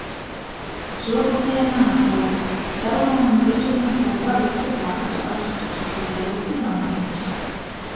Zūbu feja naatguoja. Sarunuojom, ka itūnakt lūgā liksi plakatu ar izkrytušū zūbu i lampenis.